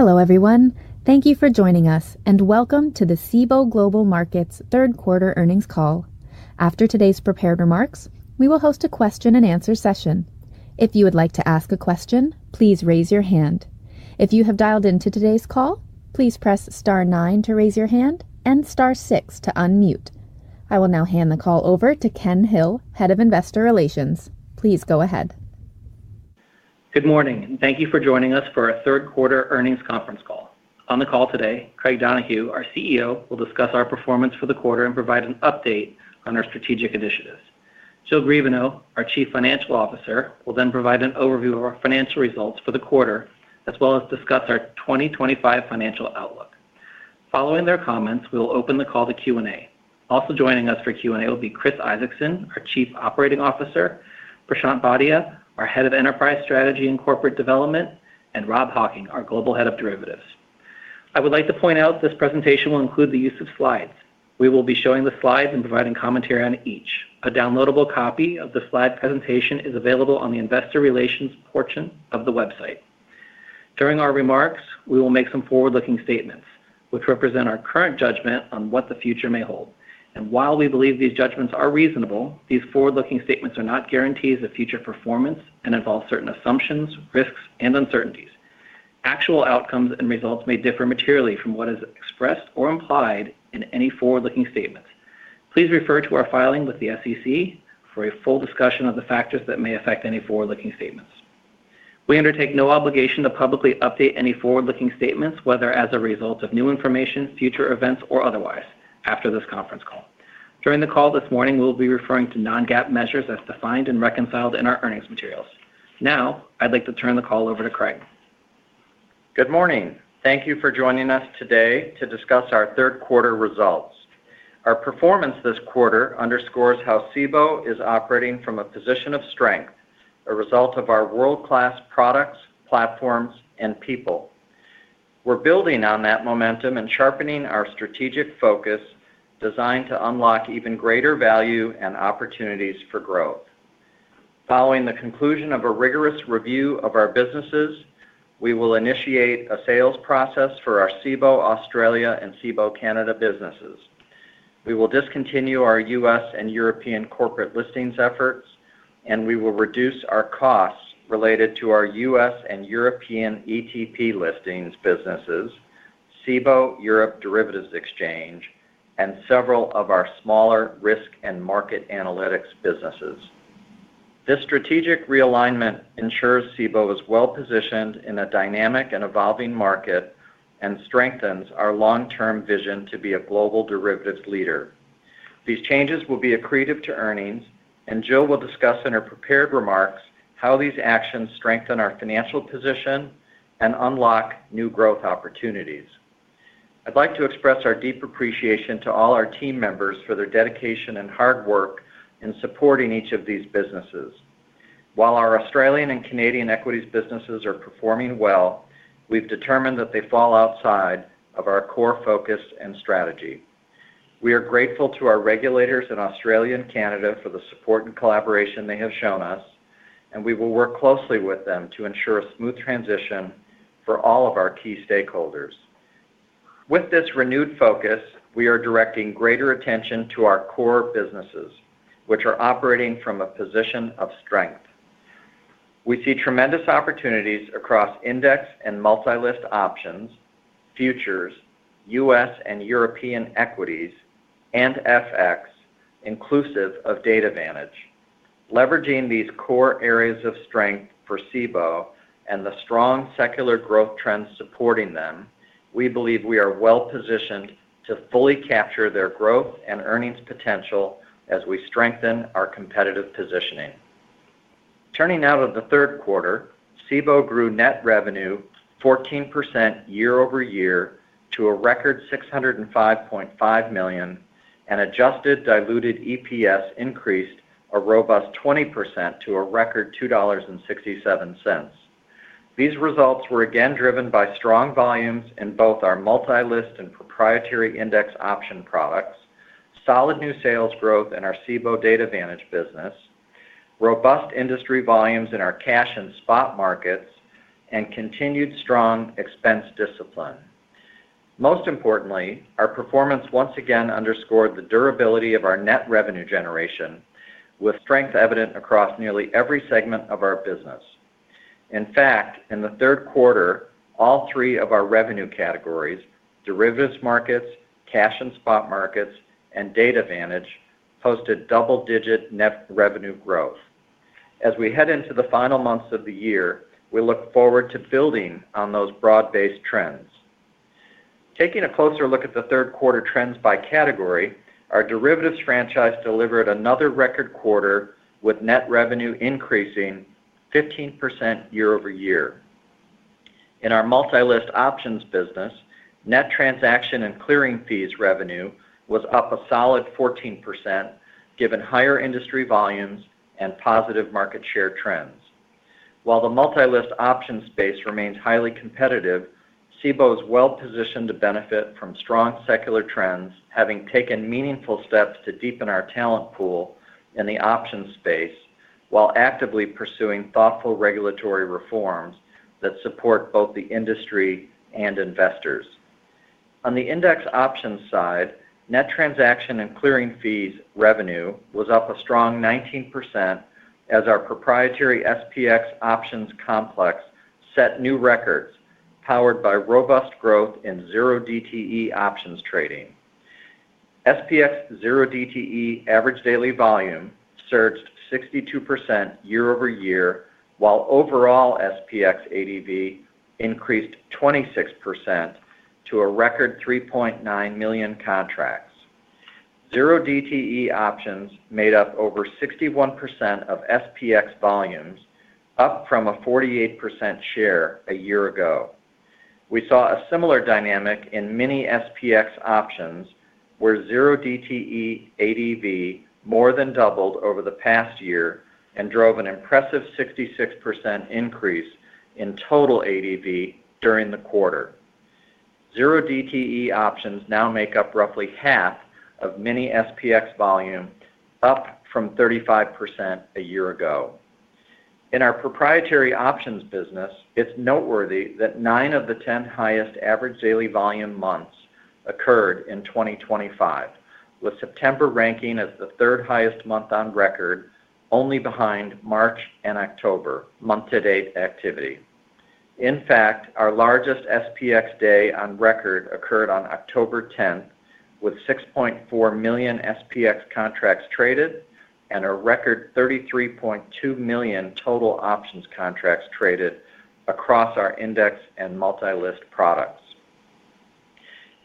Hello everyone, thank you for joining us, and welcome to the Cboe Global Markets third-quarter earnings call. After today's prepared remarks, we will host a question-and-answer session. If you would like to ask a question, please raise your hand. If you have dialed into today's call, please press star nine to raise your hand and star six to unmute. I will now hand the call over to Ken Hill, Head of Investor Relations. Please go ahead. Good morning, and thank you for joining us for our third-quarter earnings conference call. On the call today, Craig Donohue, our CEO, will discuss our performance for the quarter and provide an update on our strategic initiatives. Jill Griebenow, our Chief Financial Officer, will then provide an overview of our financial results for the quarter, as well as discuss our 2025 financial outlook. Following their comments, we will open the call to Q&A. Also joining us for Q&A will be Chris Isaacson, our Chief Operating Officer, Prashant Bhatia, our Head of Enterprise Strategy and Corporate Development, and Rob Hocking, our Global Head of Derivatives. I would like to point out this presentation will include the use of slides. We will be showing the slides and providing commentary on each. A downloadable copy of the slide presentation is available on the Investor Relations portion of the website. During our remarks, we will make some forward-looking statements, which represent our current judgment on what the future may hold. While we believe these judgments are reasonable, these forward-looking statements are not guarantees of future performance and involve certain assumptions, risks, and uncertainties. Actual outcomes and results may differ materially from what is expressed or implied in any forward-looking statements. Please refer to our filing with the SEC for a full discussion of the factors that may affect any forward-looking statements. We undertake no obligation to publicly update any forward-looking statements, whether as a result of new information, future events, or otherwise, after this conference call. During the call this morning, we will be referring to non-GAAP measures as defined and reconciled in our earnings materials. Now, I'd like to turn the call over to Craig. Good morning. Thank you for joining us today to discuss our third-quarter results. Our performance this quarter underscores how Cboe Global Markets is operating from a position of strength, a result of our world-class products, platforms, and people. We're building on that momentum and sharpening our strategic focus, designed to unlock even greater value and opportunities for growth. Following the conclusion of a rigorous review of our businesses, we will initiate a sales process for our Cboe Australia and Cboe Canada businesses. We will discontinue our U.S. and European corporate listings efforts, and we will reduce our costs related to our U.S. and European ETP listings businesses, Cboe Europe Derivatives Exchange, and several of our smaller risk and market analytics businesses. This strategic realignment ensures Cboe Global Markets is well-positioned in a dynamic and evolving market and strengthens our long-term vision to be a global derivatives leader. These changes will be accretive to earnings, and Jill will discuss in her prepared remarks how these actions strengthen our financial position and unlock new growth opportunities. I'd like to express our deep appreciation to all our team members for their dedication and hard work in supporting each of these businesses. While our Australian and Canadian equities businesses are performing well, we've determined that they fall outside of our core focus and strategy. We are grateful to our regulators in Australia and Canada for the support and collaboration they have shown us, and we will work closely with them to ensure a smooth transition for all of our key stakeholders. With this renewed focus, we are directing greater attention to our core businesses, which are operating from a position of strength. We see tremendous opportunities across index and multi-listed options, futures, U.S. and European equities, and FX, inclusive of Data Vantage. Leveraging these core areas of strength for Cboe Global Markets and the strong secular growth trends supporting them, we believe we are well-positioned to fully capture their growth and earnings potential as we strengthen our competitive positioning. Turning now to the third quarter, Cboe Global Markets grew net revenue 14% year over year to a record $605.5 million, and adjusted diluted EPS increased a robust 20% to a record $2.67. These results were again driven by strong volumes in both our multi-listed and proprietary index option products, solid new sales growth in our Cboe Data Vantage business. Robust industry volumes in our cash and spot markets, and continued strong expense discipline. Most importantly, our performance once again underscored the durability of our net revenue generation, with strength evident across nearly every segment of our business. In fact, in the third quarter, all three of our revenue categories—derivatives markets, cash and spot markets, and Data Vantage—hosted double-digit net revenue growth. As we head into the final months of the year, we look forward to building on those broad-based trends. Taking a closer look at the third-quarter trends by category, our derivatives franchise delivered another record quarter, with net revenue increasing 15% year-over-year. In our multi-list options business, net transaction and clearing fees revenue was up a solid 14%, given higher industry volumes and positive market share trends. While the multi-list options space remains highly competitive, Cboe Global Markets is well-positioned to benefit from strong secular trends, having taken meaningful steps to deepen our talent pool in the options space while actively pursuing thoughtful regulatory reforms that support both the industry and investors. On the index options side, net transaction and clearing fees revenue was up a strong 19% as our proprietary SPX options complex set new records, powered by robust growth in zero-DTE options trading. SPX zero-DTE average daily volume surged 62% year-over year, while overall SPX ADV increased 26% to a record 3.9 million contracts. Zero-DTE options made up over 61% of SPX volumes, up from a 48% share a year ago. We saw a similar dynamic in mini SPX options, where zero-DTE ADV more than doubled over the past year and drove an impressive 66% increase in total ADV during the quarter. Zero-DTE options now make up roughly half of mini SPX volume, up from 35% a year ago. In our proprietary options business, it's noteworthy that nine of the ten highest average daily volume months occurred in 2023, with September ranking as the third highest month on record, only behind March and October month-to-date activity. In fact, our largest SPX day on record occurred on October 10th, with 6.4 million SPX contracts traded and a record 33.2 million total options contracts traded across our index and multi-list products.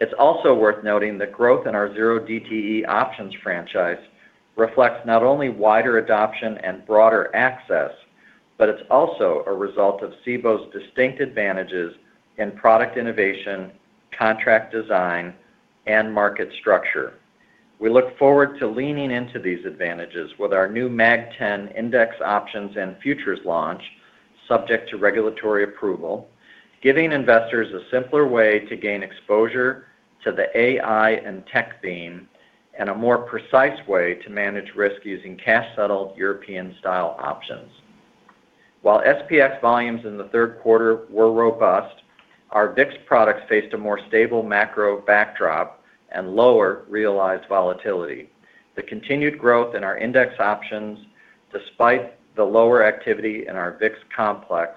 It's also worth noting the growth in our zero-DTE options franchise reflects not only wider adoption and broader access, but it's also a result of Cboe's distinct advantages in product innovation, contract design, and market structure. We look forward to leaning into these advantages with our new MAG 10 index options and futures launch, subject to regulatory approval, giving investors a simpler way to gain exposure to the AI and tech theme, and a more precise way to manage risk using cash-settled European-style options. While SPX volumes in the third quarter were robust, our VIX products faced a more stable macro backdrop and lower realized volatility. The continued growth in our index options, despite the lower activity in our VIX complex,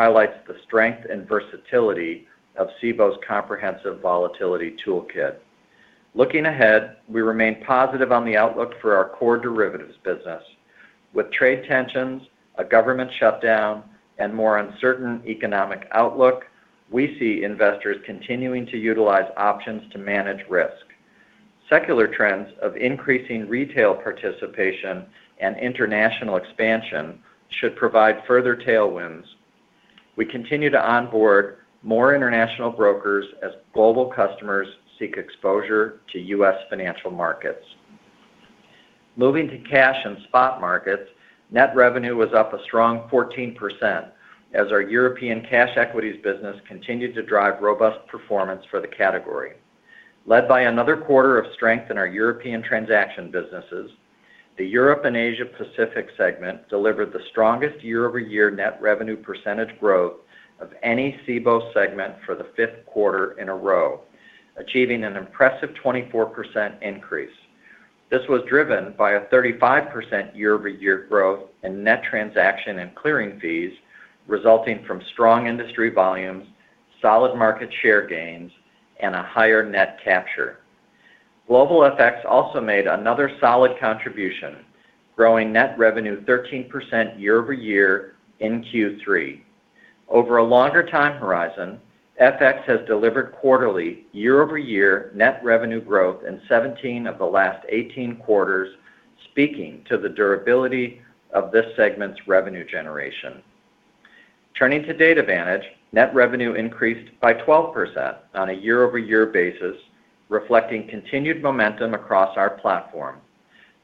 highlights the strength and versatility of Cboe's comprehensive volatility toolkit. Looking ahead, we remain positive on the outlook for our core derivatives business. With trade tensions, a government shutdown, and more uncertain economic outlook, we see investors continuing to utilize options to manage risk. Secular trends of increasing retail participation and international expansion should provide further tailwinds. We continue to onboard more international brokers as global customers seek exposure to U.S. financial markets. Moving to cash and spot markets, net revenue was up a strong 14% as our European cash equities business continued to drive robust performance for the category. Led by another quarter of strength in our European transaction businesses, the Europe and Asia-Pacific segment delivered the strongest year-over-year net revenue percentage growth of any Cboe segment for the fifth quarter in a row, achieving an impressive 24% increase. This was driven by a 35% year-over-year growth in net transaction and clearing fees, resulting from strong industry volumes, solid market share gains, and a higher net capture. Global FX also made another solid contribution, growing net revenue 13% year-over-year in Q3. Over a longer time horizon, FX has delivered quarterly, year-over-year net revenue growth in 17 of the last 18 quarters, speaking to the durability of this segment's revenue generation. Turning to Data Vantage, net revenue increased by 12% on a year-over-year basis, reflecting continued momentum across our platform.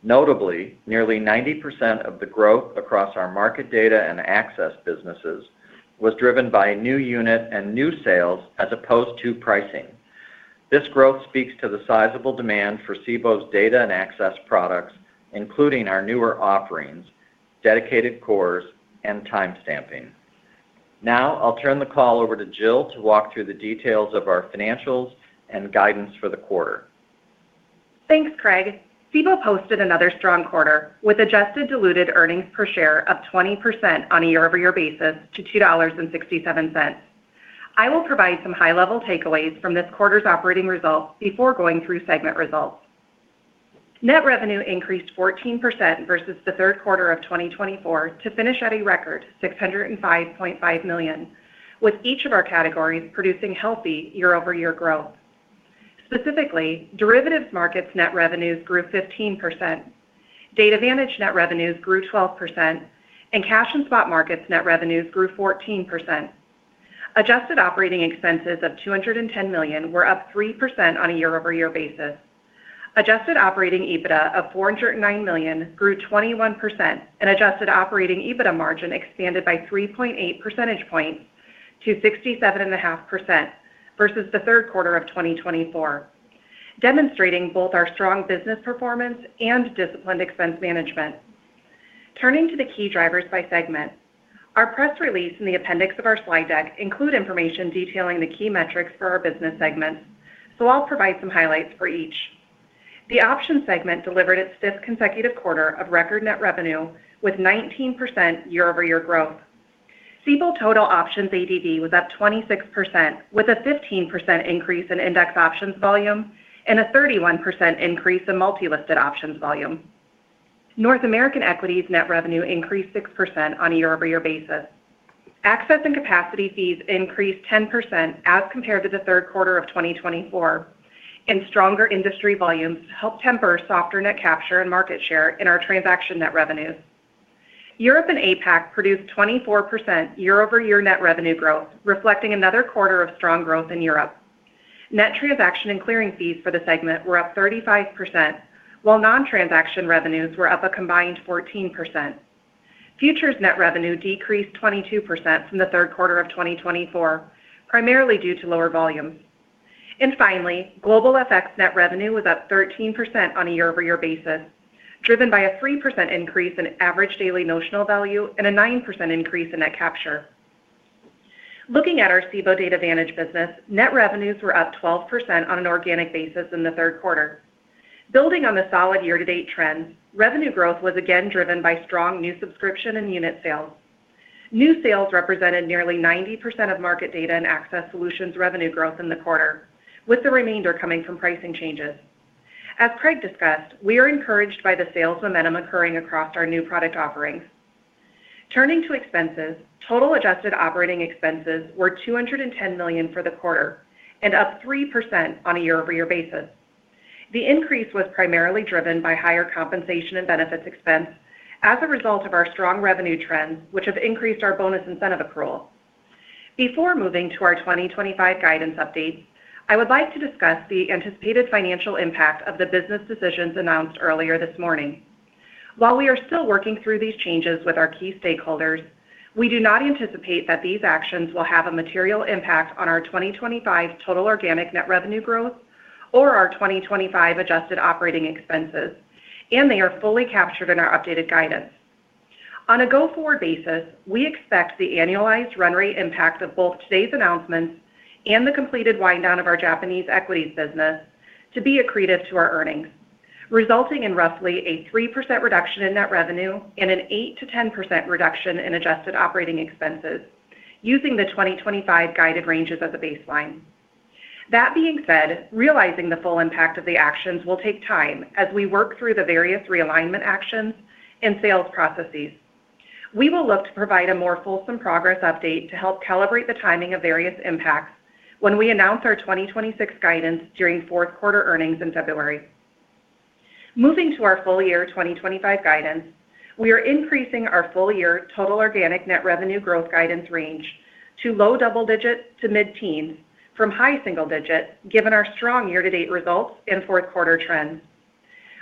Notably, nearly 90% of the growth across our market data and access businesses was driven by new unit and new sales as opposed to pricing. This growth speaks to the sizable demand for Cboe Global Markets' data and access products, including our newer offerings, dedicated cores, and timestamping. Now, I'll turn the call over to Jill to walk through the details of our financials and guidance for the quarter. Thanks, Craig. Cboe posted another strong quarter with adjusted diluted EPS of 20% on a year-over-year basis to $2.67. I will provide some high-level takeaways from this quarter's operating results before going through segment results. Net revenue increased 14% versus the third quarter of 2024 to finish at a record $605.5 million, with each of our categories producing healthy year-over-year growth. Specifically, derivatives markets' net revenues grew 15%. Data Vantage net revenues grew 12%, and cash and spot markets' net revenues grew 14%. Adjusted operating expenses of $210 million were up 3% on a year-over-year basis. Adjusted operating EBITDA of $409 million grew 21%, and adjusted operating EBITDA margin expanded by 3.8 percentage points to 67.5% versus the third quarter of 2024, demonstrating both our strong business performance and disciplined expense management. Turning to the key drivers by segment, our press release and the appendix of our slide deck include information detailing the key metrics for our business segments, so I'll provide some highlights for each. The options segment delivered its fifth consecutive quarter of record net revenue with 19% year-over-year growth. Cboe total options ADV was up 26%, with a 15% increase in index options volume and a 31% increase in multi-listed options volume. North American equities net revenue increased 6% on a year-over-year basis. Access and capacity fees increased 10% as compared to the third quarter of 2024. Stronger industry volumes helped temper softer net capture and market share in our transaction net revenues. Europe and APAC produced 24% year-over-year net revenue growth, reflecting another quarter of strong growth in Europe. Net transaction and clearing fees for the segment were up 35%, while non-transaction revenues were up a combined 14%. Futures net revenue decreased 22% from the third quarter of 2024, primarily due to lower volumes. Finally, global FX net revenue was up 13% on a year-over-year basis, driven by a 3% increase in average daily notional value and a 9% increase in net capture. Looking at our Cboe Data Vantage business, net revenues were up 12% on an organic basis in the third quarter. Building on the solid year-to-date trends, revenue growth was again driven by strong new subscription and unit sales. New sales represented nearly 90% of market data and access solutions revenue growth in the quarter, with the remainder coming from pricing changes. As Craig discussed, we are encouraged by the sales momentum occurring across our new product offerings. Turning to expenses, total adjusted operating expenses were $210 million for the quarter and up 3% on a year-over-year basis. The increase was primarily driven by higher compensation and benefits expense as a result of our strong revenue trends, which have increased our bonus incentive accrual. Before moving to our 2025 guidance updates, I would like to discuss the anticipated financial impact of the business decisions announced earlier this morning. While we are still working through these changes with our key stakeholders, we do not anticipate that these actions will have a material impact on our 2025 total organic net revenue growth or our 2025 adjusted operating expenses, and they are fully captured in our updated guidance. On a go-forward basis, we expect the annualized run rate impact of both today's announcements and the completed wind-down of our Japanese equities business to be accretive to our earnings, resulting in roughly a 3% reduction in net revenue and an 8%-10% reduction in adjusted operating expenses, using the 2025 guided ranges as a baseline. That being said, realizing the full impact of the actions will take time as we work through the various realignment actions and sales processes. We will look to provide a more fulsome progress update to help calibrate the timing of various impacts when we announce our 2026 guidance during fourth quarter earnings in February. Moving to our full year 2025 guidance, we are increasing our full year total organic net revenue growth guidance range to low double digit to mid-teens from high single digit, given our strong year-to-date results and fourth quarter trends.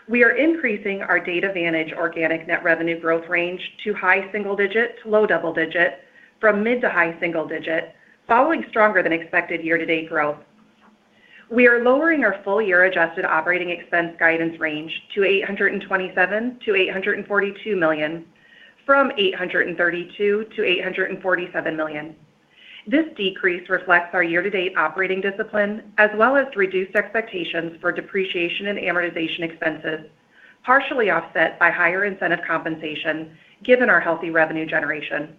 We are increasing our Data Vantage organic net revenue growth range to high single digit to low double digit from mid to high single digit, following stronger than expected year-to-date growth. We are lowering our full year adjusted operating expense guidance range to $827 million-$842 million from $832 million to $847 million. This decrease reflects our year-to-date operating discipline as well as reduced expectations for depreciation and amortization expenses, partially offset by higher incentive compensation, given our healthy revenue generation.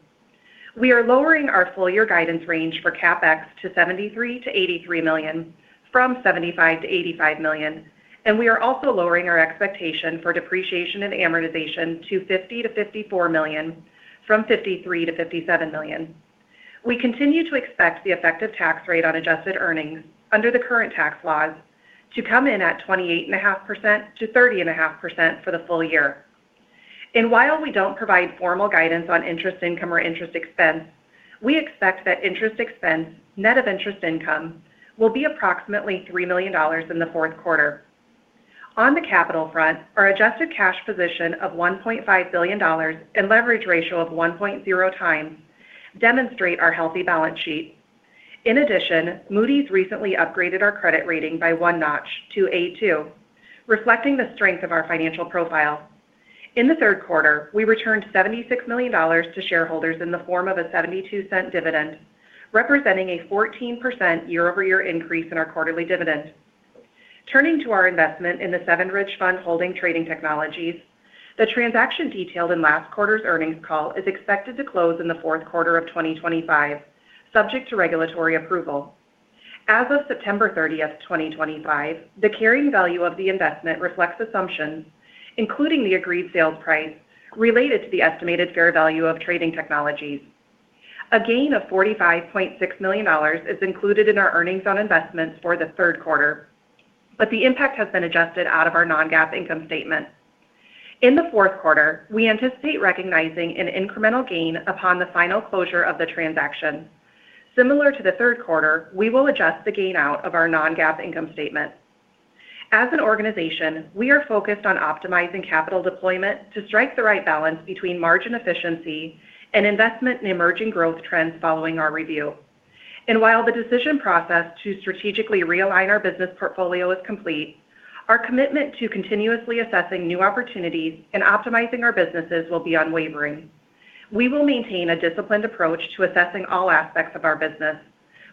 We are lowering our full year guidance range for CapEx to $73 millio-$83 million from $75 million to $85 million, and we are also lowering our expectation for depreciation and amortization to $50 million-$54 million from $53 million to $57 million. We continue to expect the effective tax rate on adjusted earnings under the current tax laws to come in at 28.5%-30.5% for the full year. While we don't provide formal guidance on interest income or interest expense, we expect that interest expense, net of interest income, will be approximately $3 million in the fourth quarter. On the capital front, our adjusted cash position of $1.5 billion and leverage ratio of 1.0 times demonstrate our healthy balance sheet. In addition, Moody's recently upgraded our credit rating by one notch to A2, reflecting the strength of our financial profile. In the third quarter, we returned $76 million to shareholders in the form of a $0.72 dividend, representing a 14% YoY increase in our quarterly dividend. Turning to our investment in the Seven Ridge Fund Holding Trading Technologies, the transaction detailed in last quarter's earnings call is expected to close in the fourth quarter of 2025, subject to regulatory approval. As of September 30th, 2025, the carrying value of the investment reflects assumptions, including the agreed sales price related to the estimated fair value of Trading Technologies. A gain of $45.6 million is included in our earnings on investments for the third quarter, but the impact has been adjusted out of our non-GAAP income statement. In the fourth quarter, we anticipate recognizing an incremental gain upon the final closure of the transaction. Similar to the third quarter, we will adjust the gain out of our non-GAAP income statement. As an organization, we are focused on optimizing capital deployment to strike the right balance between margin efficiency and investment in emerging growth trends following our review. While the decision process to strategically realign our business portfolio is complete, our commitment to continuously assessing new opportunities and optimizing our businesses will be unwavering. We will maintain a disciplined approach to assessing all aspects of our business,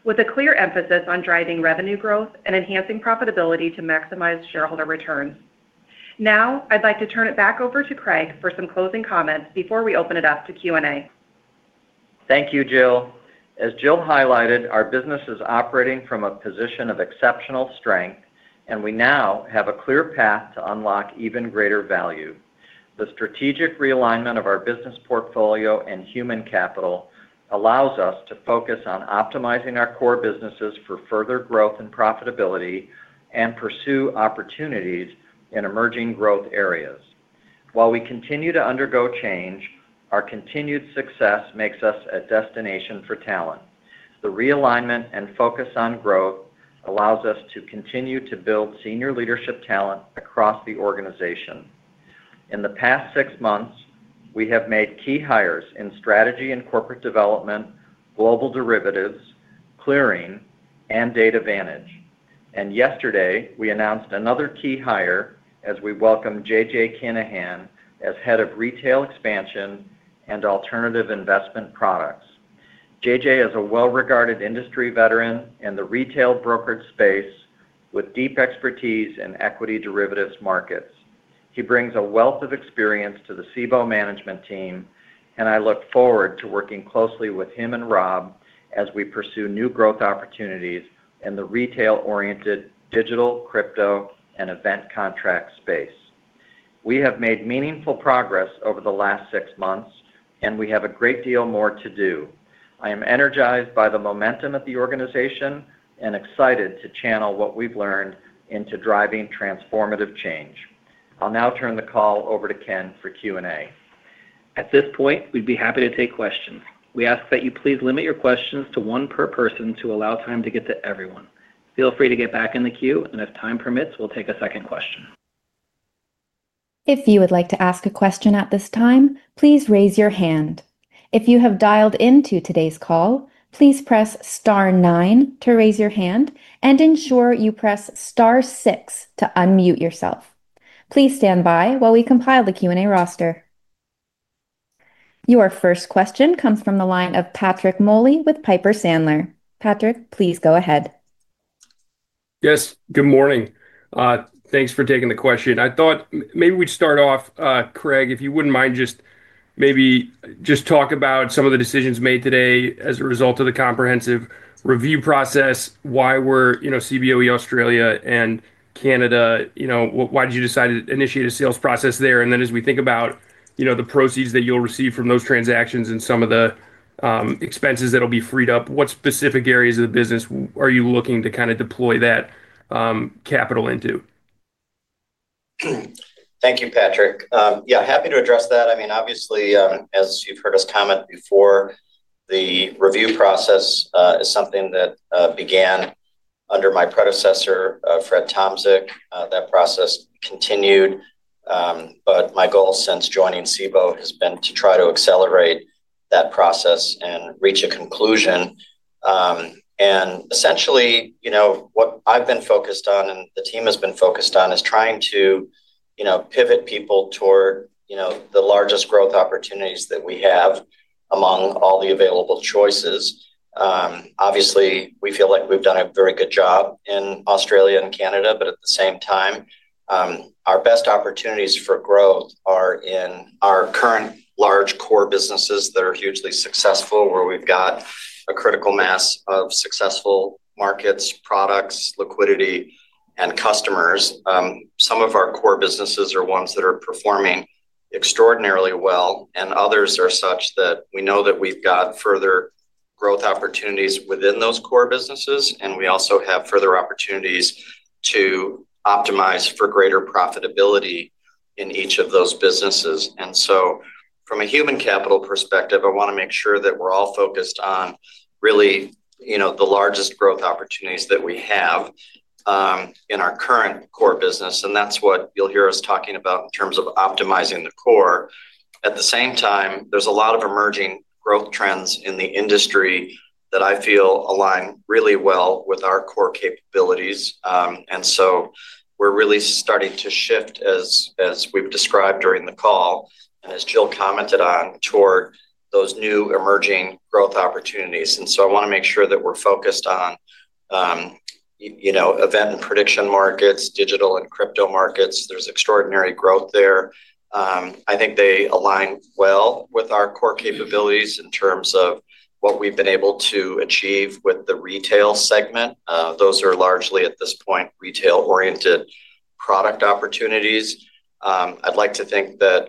with a clear emphasis on driving revenue growth and enhancing profitability to maximize shareholder returns. Now, I'd like to turn it back over to Craig for some closing comments before we open it up to Q&A. Thank you, Jill. As Jill highlighted, our business is operating from a position of exceptional strength, and we now have a clear path to unlock even greater value. The strategic realignment of our business portfolio and human capital allows us to focus on optimizing our core businesses for further growth and profitability and pursue opportunities in emerging growth areas. While we continue to undergo change, our continued success makes us a destination for talent. The realignment and focus on growth allows us to continue to build senior leadership talent across the organization. In the past six months, we have made key hires in strategy and corporate development, global derivatives, clearing, and Data Vantage. Yesterday, we announced another key hire as we welcome J.J. Kinahan as Head of Retail Expansion and Alternative Investment Products. J.J. is a well-regarded industry veteran in the retail brokerage space with deep expertise in equity derivatives markets. He brings a wealth of experience to the Cboe Global Markets management team, and I look forward to working closely with him and Rob as we pursue new growth opportunities in the retail-oriented digital, crypto, and event contract space. We have made meaningful progress over the last six months, and we have a great deal more to do. I am energized by the momentum at the organization and excited to channel what we've learned into driving transformative change. I'll now turn the call over to Ken for Q&A. At this point, we'd be happy to take questions. We ask that you please limit your questions to one per person to allow time to get to everyone. Feel free to get back in the queue, and if time permits, we'll take a second question. If you would like to ask a question at this time, please raise your hand. If you have dialed into today's call, please press star nine to raise your hand and ensure you press star six to unmute yourself. Please stand by while we compile the Q&A roster. Your first question comes from the line of Patrick Moley with Piper Sandler. Patrick, please go ahead. Yes, good morning. Thanks for taking the question. I thought maybe we'd start off, Craig, if you wouldn't mind, just maybe talk about some of the decisions made today as a result of the comprehensive review process, why Cboe Australia and Cboe Canada. Why did you decide to initiate a sales process there? As we think about the proceeds that you'll receive from those transactions and some of the expenses that'll be freed up, what specific areas of the business are you looking to kind of deploy that capital into? Thank you, Patrick. Happy to address that. Obviously, as you've heard us comment before, the review process is something that began under my predecessor, Fredric Tomczyk. That process continued. My goal since joining Cboe Global Markets has been to try to accelerate that process and reach a conclusion. Essentially, what I've been focused on and the team has been focused on is trying to pivot people toward the largest growth opportunities that we have among all the available choices. Obviously, we feel like we've done a very good job in Australia and Canada, but at the same time, our best opportunities for growth are in our current large core businesses that are hugely successful, where we've got a critical mass of successful markets, products, liquidity, and customers. Some of our core businesses are ones that are performing extraordinarily well, and others are such that we know that we've got further growth opportunities within those core businesses, and we also have further opportunities to optimize for greater profitability in each of those businesses. From a human capital perspective, I want to make sure that we're all focused on really the largest growth opportunities that we have in our current core business. That's what you'll hear us talking about in terms of optimizing the core. At the same time, there's a lot of emerging growth trends in the industry that I feel align really well with our core capabilities. We're really starting to shift, as we've described during the call and as Jill Griebenow commented on, toward those new emerging growth opportunities. I want to make sure that we're focused on event and prediction markets, digital and crypto markets. There's extraordinary growth there. I think they align well with our core capabilities in terms of what we've been able to achieve with the retail segment. Those are largely, at this point, retail-oriented product opportunities. I'd like to think that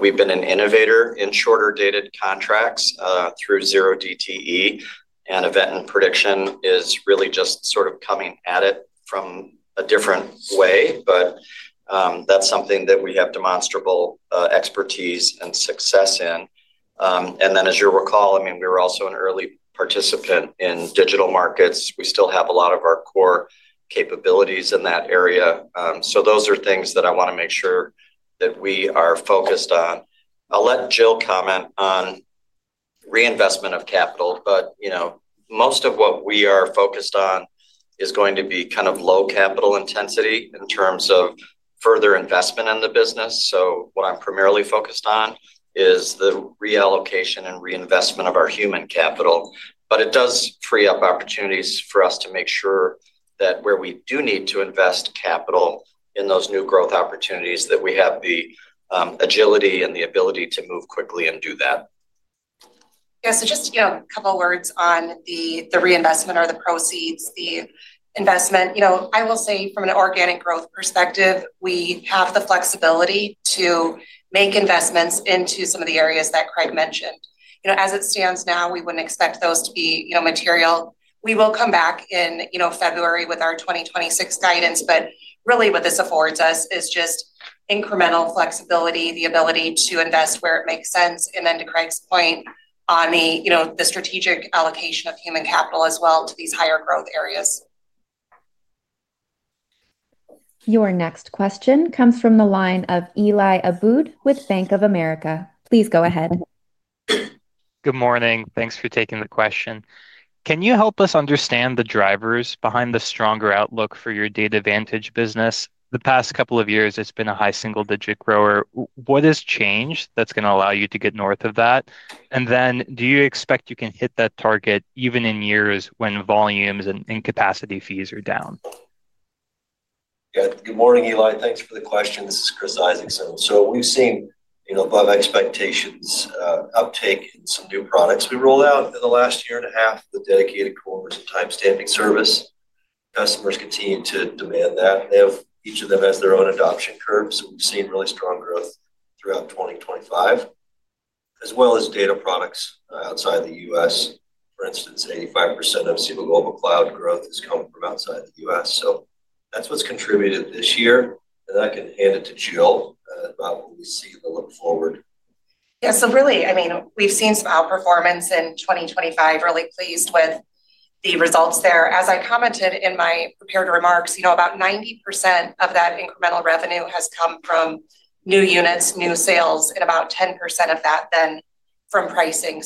we've been an innovator in shorter-dated contracts through zero-DTE, and event and prediction is really just sort of coming at it from a different way. That's something that we have demonstrable expertise and success in. As you'll recall, we were also an early participant in digital markets. We still have a lot of our core capabilities in that area. Those are things that I want to make sure that we are focused on. I'll let Jill Griebenow comment on reinvestment of capital, but most of what we are focused on is going to be kind of low capital intensity in terms of further investment in the business. What I'm primarily focused on is the reallocation and reinvestment of our human capital. It does free up opportunities for us to make sure that where we do need to invest capital in those new growth opportunities, we have the agility and the ability to move quickly and do that. Yeah, so just a couple of words on the reinvestment or the proceeds, the investment. I will say, from an organic growth perspective, we have the flexibility to make investments into some of the areas that Craig mentioned. As it stands now, we wouldn't expect those to be material. We will come back in February with our 2026 guidance, but really what this affords us is just incremental flexibility, the ability to invest where it makes sense, and then to Craig's point on the strategic allocation of human capital as well to these higher growth areas. Your next question comes from the line of Eli Abboud with Bank of America. Please go ahead. Good morning. Thanks for taking the question. Can you help us understand the drivers behind the stronger outlook for your Data Vantage business? The past couple of years, it's been a high single-digit grower. What has changed that's going to allow you to get north of that? Do you expect you can hit that target even in years when volumes and capacity fees are down? Good morning, Eli. Thanks for the question. This is Chris Isaacson. We've seen above-expectations uptake in some new products we rolled out in the last year and a half: the dedicated core versus timestamping service. Customers continue to demand that. Each of them has their own adoption curve. We've seen really strong growth throughout 2025, as well as data products outside the U.S. For instance, 85% of Cboe Global Cloud growth has come from outside the U.S. That's what's contributed this year, and I can hand it to Jill about what we see in the look forward. Yeah, we've seen some outperformance in 2025. Really pleased with the results there. As I commented in my prepared remarks, about 90% of that incremental revenue has come from new units, new sales, and about 10% of that from pricing.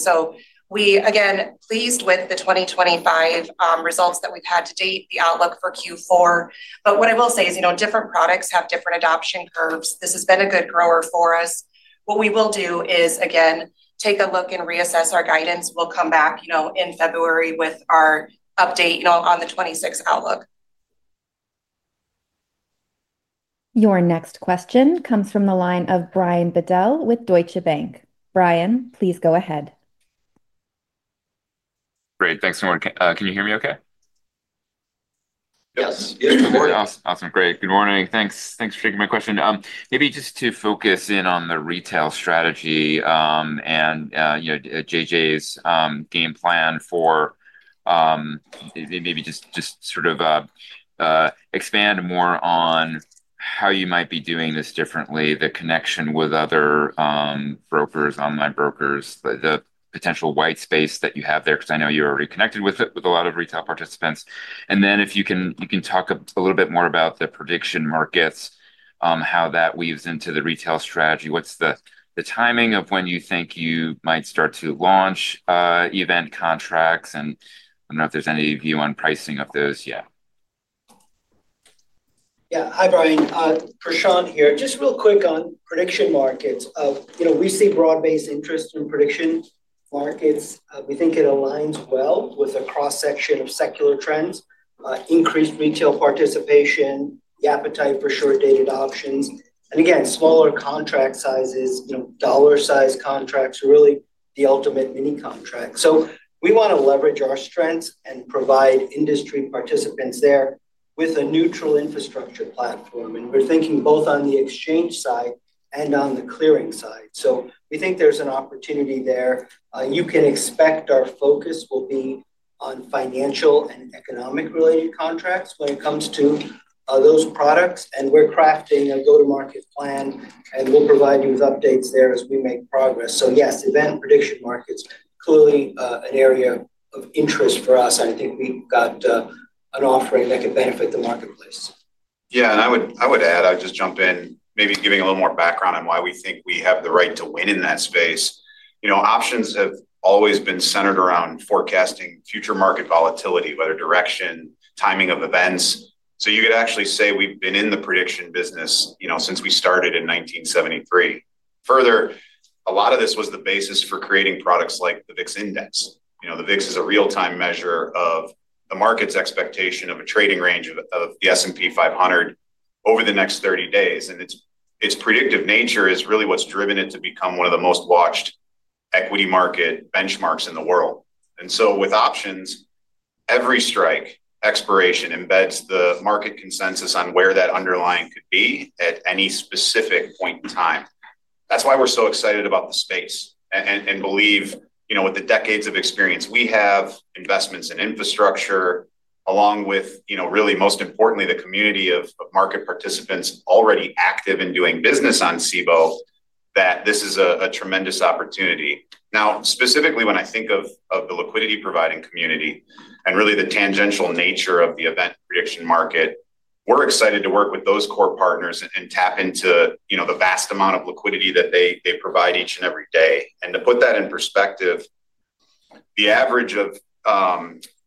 We are pleased with the 2025 results that we've had to date, the outlook for Q4. What I will say is different products have different adoption curves. This has been a good grower for us. What we will do is take a look and reassess our guidance. We'll come back in February with our update on the 2026 outlook. Your next question comes from the line of Brian Bedell with Deutsche Bank. Brian, please go ahead. Great. Thanks, everyone. Can you hear me okay? Yes. Great. Good morning. Thanks for taking my question. Maybe just to focus in on the retail strategy. J.J.'s game plan for maybe just sort of expand more on how you might be doing this differently, the connection with other brokers, online brokers, the potential white space that you have there, because I know you're already connected with a lot of retail participants. If you can talk a little bit more about the prediction markets, how that weaves into the retail strategy, what's the timing of when you think you might start to launch event contracts? I don't know if there's any view on pricing of those yet. Yeah. Hi, Brian. Prashant here. Just real quick on prediction markets. We see broad-based interest in prediction markets. We think it aligns well with a cross-section of secular trends, increased retail participation, the appetite for short-dated options, and again, smaller contract sizes, dollar-sized contracts, really the ultimate mini contract. We want to leverage our strengths and provide industry participants there with a neutral infrastructure platform. We're thinking both on the exchange side and on the clearing side. We think there's an opportunity there. You can expect our focus will be on financial and economic-related contracts when it comes to those products. We're crafting a go-to-market plan, and we'll provide you with updates there as we make progress. Yes, event prediction markets, clearly an area of interest for us. I think we've got an offering that could benefit the marketplace. Yeah. I would add, I'll just jump in, maybe giving a little more background on why we think we have the right to win in that space. Options have always been centered around forecasting future market volatility, whether direction, timing of events. You could actually say we've been in the prediction business since we started in 1973. Further, a lot of this was the basis for creating products like the VIX Index. The VIX is a real-time measure of the market's expectation of a trading range of the S&P 500 over the next 30 days. Its predictive nature is really what's driven it to become one of the most watched equity market benchmarks in the world. With options, every strike expiration embeds the market consensus on where that underlying could be at any specific point in time. That's why we're so excited about the space and believe with the decades of experience we have, investments in infrastructure, along with really, most importantly, the community of market participants already active in doing business on Cboe, that this is a tremendous opportunity. Now, specifically, when I think of the liquidity-providing community and really the tangential nature of the event prediction market, we're excited to work with those core partners and tap into the vast amount of liquidity that they provide each and every day. To put that in perspective,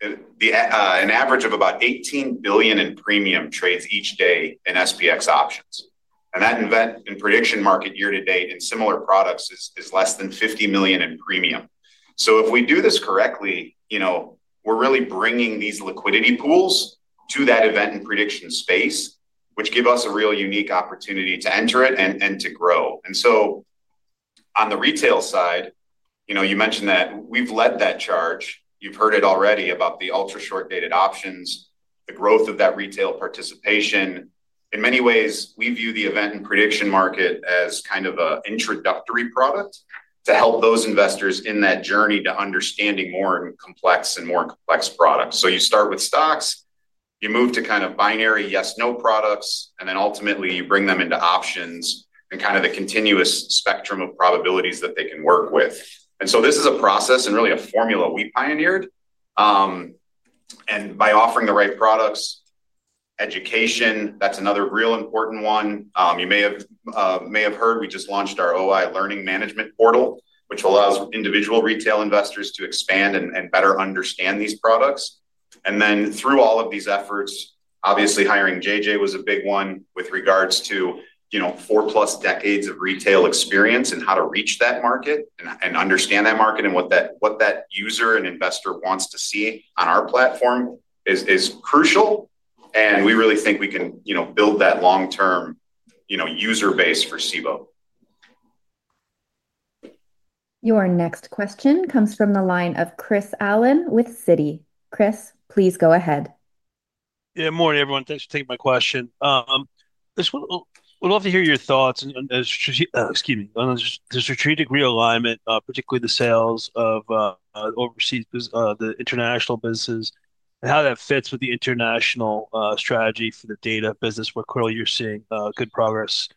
an average of about $18 billion in premium trades each day in SPX options. That event and prediction market year-to-date in similar products is less than $50 million in premium. If we do this correctly, we're really bringing these liquidity pools to that event and prediction space, which gives us a real unique opportunity to enter it and to grow. On the retail side, you mentioned that we've led that charge. You've heard it already about the ultra short-dated options, the growth of that retail participation. In many ways, we view the event and prediction market as kind of an introductory product to help those investors in that journey to understanding more complex and more complex products. You start with stocks, you move to kind of binary yes/no products, and then ultimately, you bring them into options and kind of the continuous spectrum of probabilities that they can work with. This is a process and really a formula we pioneered. By offering the right products, education, that's another real important one. You may have heard we just launched our OI Learning Management portal, which allows individual retail investors to expand and better understand these products. Through all of these efforts, obviously, hiring J.J. was a big one with regards to four-plus decades of retail experience and how to reach that market and understand that market and what that user and investor wants to see on our platform is crucial. We really think we can build that long-term user base for Cboe. Your next question comes from the line of Chris Allen with Citi. Chris, please go ahead. Yeah. Morning, everyone. Thanks for taking my question. I'd love to hear your thoughts on the strategic realignment, particularly the sales of overseas, the international businesses, and how that fits with the international strategy for the data business, where clearly you're seeing good progress.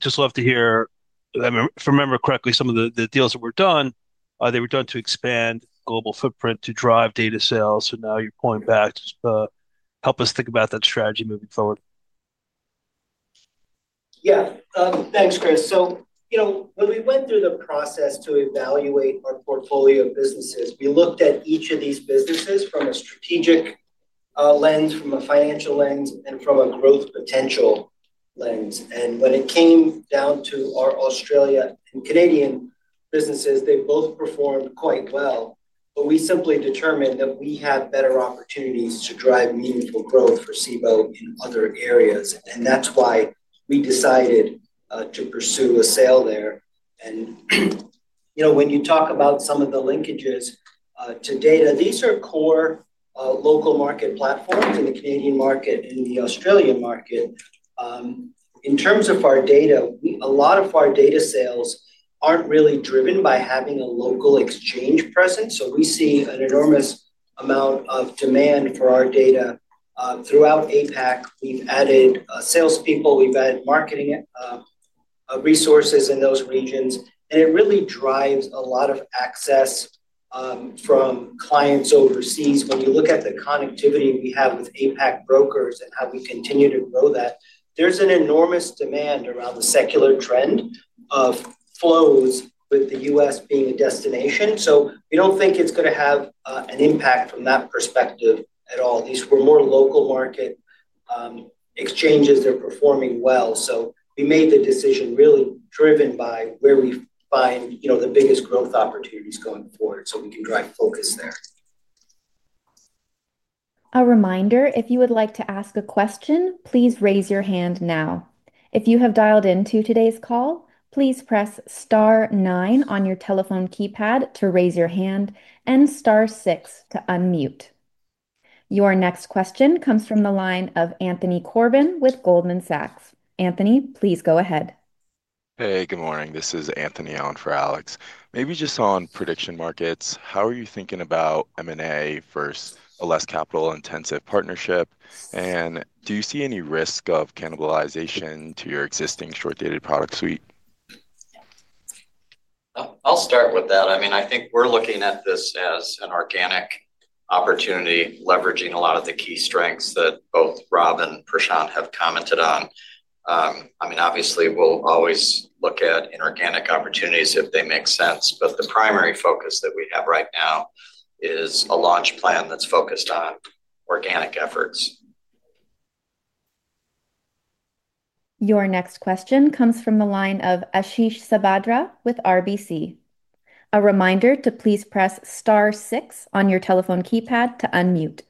Just love to hear. If I remember correctly, some of the deals that were done, they were done to expand global footprint to drive data sales. Now you're pulling back to help us think about that strategy moving forward. Yeah. Thanks, Chris. When we went through the process to evaluate our portfolio of businesses, we looked at each of these businesses from a strategic lens, from a financial lens, and from a growth potential lens. When it came down to our Australia and Canadian businesses, they both performed quite well. We simply determined that we had better opportunities to drive meaningful growth for Cboe Global Markets in other areas. That's why we decided to pursue a sale there. When you talk about some of the linkages to data, these are core local market platforms in the Canadian market and the Australian market. In terms of our data, a lot of our data sales aren't really driven by having a local exchange presence. We see an enormous amount of demand for our data throughout APAC. We've added salespeople and marketing resources in those regions, and it really drives a lot of access from clients overseas. When you look at the connectivity we have with APAC brokers and how we continue to grow that, there's an enormous demand around the secular trend of flows with the U.S. being a destination. We don't think it's going to have an impact from that perspective at all. These were more local market exchanges that are performing well. We made the decision really driven by where we find the biggest growth opportunities going forward so we can drive focus there. A reminder, if you would like to ask a question, please raise your hand now. If you have dialed into today's call, please press star nine on your telephone keypad to raise your hand and star six to unmute. Your next question comes from the line of Anthony Corbin with Goldman Sachs. Anthony, please go ahead. Hey, good morning. This is Anthony Corbin for Alex Kramm. Maybe just on prediction markets, how are you thinking about M&A versus a less capital-intensive partnership? Do you see any risk of cannibalization to your existing short-dated product suite? I think we're looking at this as an organic opportunity, leveraging a lot of the key strengths that both Rob and Krishan have commented on. Obviously, we'll always look at inorganic opportunities if they make sense. The primary focus that we have right now is a launch plan that's focused on organic efforts. Your next question comes from the line of Ashish Sabadra with RBC. A reminder to please press star six on your telephone keypad to unmute.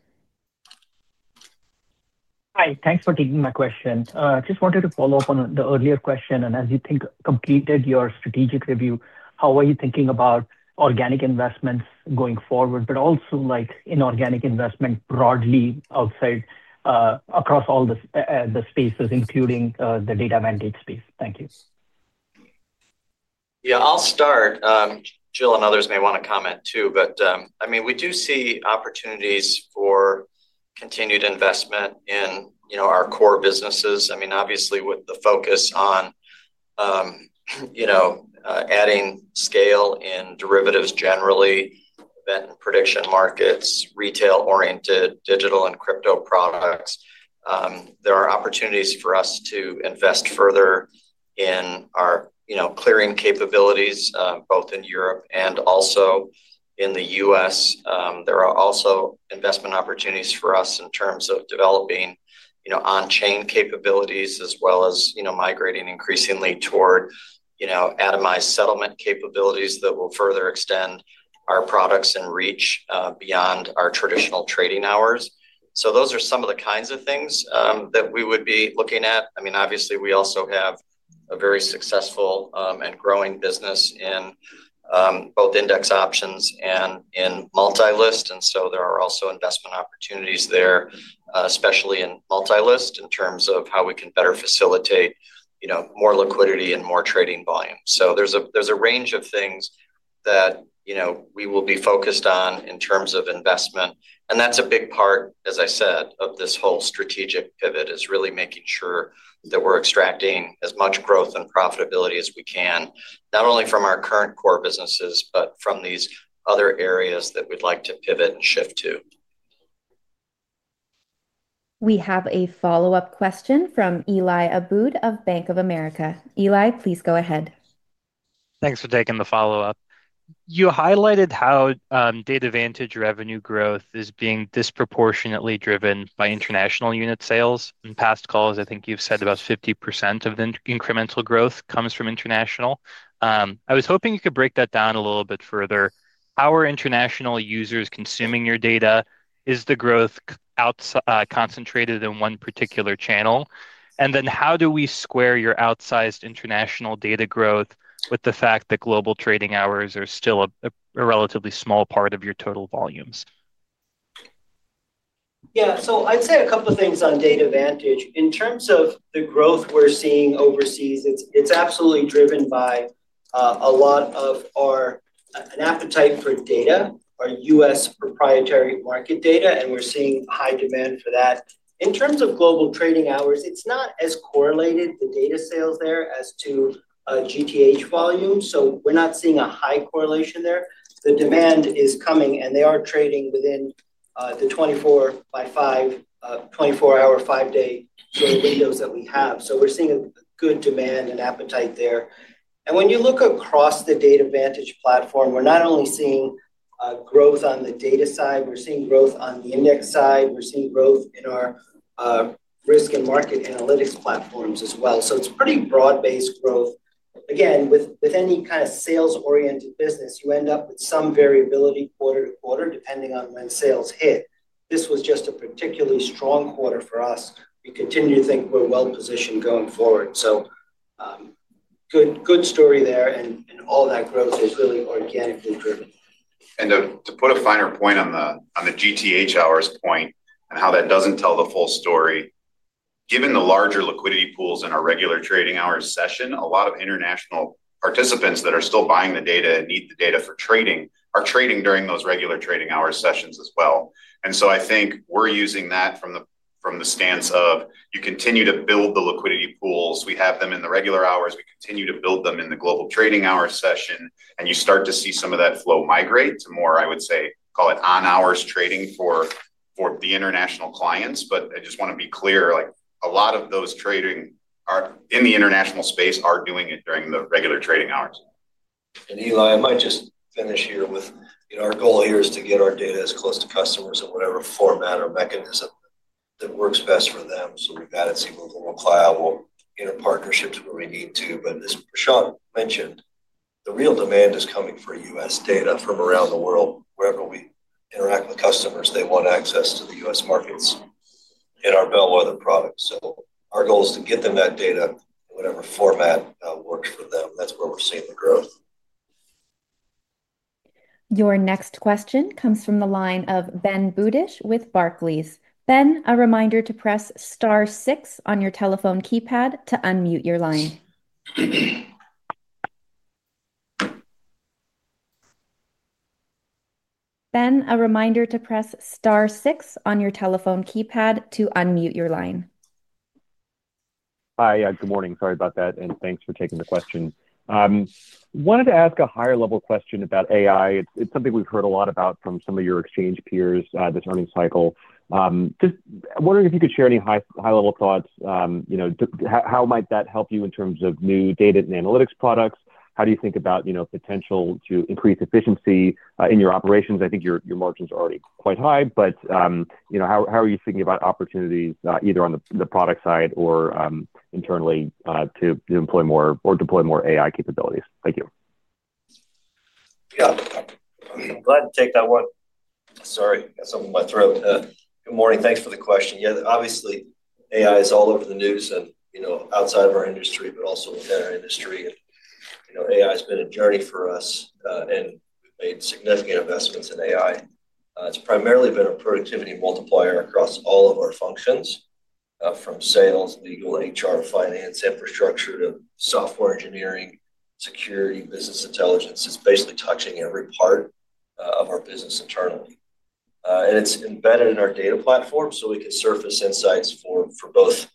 Hi. Thanks for taking my question. I just wanted to follow up on the earlier question. As you think completed your strategic review, how are you thinking about organic investments going forward, but also inorganic investment broadly across all the spaces, including the Data Vantage space? Thank you. Yeah. I'll start. Jill and others may want to comment too. We do see opportunities for continued investment in our core businesses. Obviously, with the focus on adding scale in derivatives generally, event and prediction markets, retail-oriented digital and crypto products, there are opportunities for us to invest further in our clearing capabilities, both in Europe and also in the U.S. There are also investment opportunities for us in terms of developing on-chain capabilities as well as migrating increasingly toward atomized settlement capabilities that will further extend our products and reach beyond our traditional trading hours. Those are some of the kinds of things that we would be looking at. Obviously, we also have a very successful and growing business in both index options and in multi-list. There are also investment opportunities there, especially in multi-list, in terms of how we can better facilitate more liquidity and more trading volume. There's a range of things that we will be focused on in terms of investment. That's a big part, as I said, of this whole strategic pivot, really making sure that we're extracting as much growth and profitability as we can, not only from our current core businesses, but from these other areas that we'd like to pivot and shift to. We have a follow-up question from Eli Aboud of Bank of America. Eli, please go ahead. Thanks for taking the follow-up. You highlighted how Data Vantage revenue growth is being disproportionately driven by international unit sales. In past calls, I think you've said about 50% of the incremental growth comes from international. I was hoping you could break that down a little bit further. How are international users consuming your data? Is the growth concentrated in one particular channel? How do we square your outsized international data growth with the fact that global trading hours are still a relatively small part of your total volumes? Yeah. I'd say a couple of things on Data Vantage. In terms of the growth we're seeing overseas, it's absolutely driven by a lot of our appetite for data, our U.S. proprietary market data, and we're seeing high demand for that. In terms of global trading hours, it's not as correlated, the data sales there, as to GTH volumes. We're not seeing a high correlation there. The demand is coming, and they are trading within the 24-by-5, 24-hour, 5-day windows that we have. We're seeing good demand and appetite there. When you look across the Data Vantage platform, we're not only seeing growth on the data side, we're seeing growth on the index side, we're seeing growth in our risk and market analytics platforms as well. It's pretty broad-based growth. With any kind of sales-oriented business, you end up with some variability quarter-to-quarter depending on when sales hit. This was just a particularly strong quarter for us. We continue to think we're well-positioned going forward. Good story there, and all that growth is really organically driven. To put a finer point on the GTH hours point and how that doesn't tell the full story, given the larger liquidity pools in our regular trading hours session, a lot of international participants that are still buying the data and need the data for trading are trading during those regular trading hours sessions as well. I think we're using that from the stance of you continue to build the liquidity pools. We have them in the regular hours, and we continue to build them in the global trading hours session. You start to see some of that flow migrate to more, I would say, call it on-hours trading for the international clients. I just want to be clear, a lot of those trading in the international space are doing it during the regular trading hours. Eli, I might just finish here with our goal here is to get our data as close to customers in whatever format or mechanism that works best for them. We have added Cboe Global Cloud. We will get our partnerships where we need to. As Krishan mentioned, the real demand is coming for U.S. data from around the world. Wherever we interact with customers, they want access to the U.S. markets in our bellwether products. Our goal is to get them that data in whatever format works for them. That is where we are seeing the growth. Your next question comes from the line of Ben Budish with Barclays. Ben, a reminder to press Star 6 on your telephone keypad to unmute your line. Ben, a reminder to press star six on your telephone keypad to unmute your line. Hi. Good morning. Sorry about that. Thanks for taking the question. Wanted to ask a higher-level question about AI. It's something we've heard a lot about from some of your exchange peers this earnings cycle. Just wondering if you could share any high-level thoughts. How might that help you in terms of new data and analytics products? How do you think about potential to increase efficiency in your operations? I think your margins are already quite high. How are you thinking about opportunities either on the product side or internally to employ more or deploy more AI capabilities? Thank you. Yeah. I'm glad to take that one. Sorry, got something in my throat. Good morning. Thanks for the question. Yeah. Obviously, AI is all over the news and outside of our industry, but also within our industry. AI has been a journey for us, and we've made significant investments in AI. It's primarily been a productivity multiplier across all of our functions, from sales, legal, HR, finance, infrastructure, to software engineering, security, business intelligence. It's basically touching every part of our business internally. It's embedded in our data platform so we can surface insights for both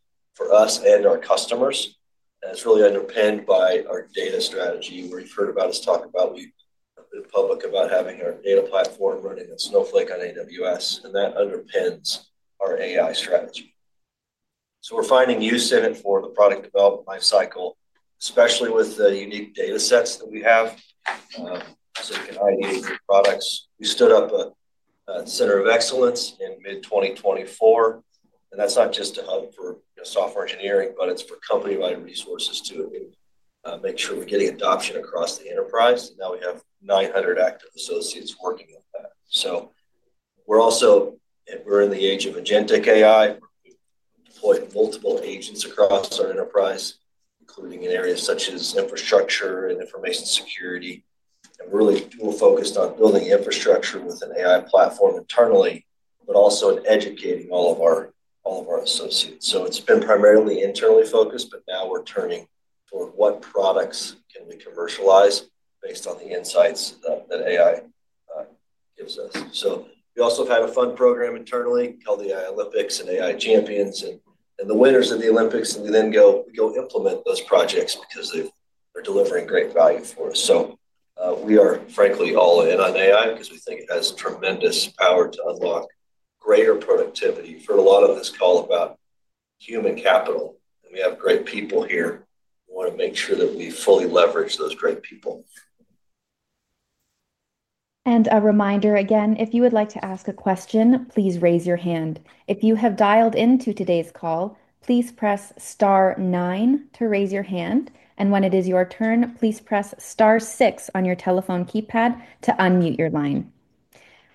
us and our customers. It's really underpinned by our data strategy. What we've heard about is talked about. We've been public about having our data platform running on Snowflake on AWS, and that underpins our AI strategy. We're finding use in it for the product development life cycle, especially with the unique data sets that we have, so we can ideate new products. We stood up a center of excellence in mid-2024, and that's not just for software engineering, but it's for company-wide resources too. We make sure we're getting adoption across the enterprise, and now we have 900 active associates working on that. We're in the age of agentic AI. We've deployed multiple agents across our enterprise, including in areas such as infrastructure and information security. We're really focused on building infrastructure with an AI platform internally, but also in educating all of our associates. It's been primarily internally focused, but now we're turning toward what products we can commercialize based on the insights that AI gives us. We also have a fun program internally called the AI Olympics and AI Champions, and the winners of the Olympics, we then go implement those projects because they're delivering great value for us. We are frankly all in on AI because we think it has tremendous power to unlock greater productivity. We've heard a lot on this call about human capital, and we have great people here. We want to make sure that we fully leverage those great people. A reminder again, if you would like to ask a question, please raise your hand. If you have dialed into today's call, please press star nine to raise your hand. When it is your turn, please press star six on your telephone keypad to unmute your line.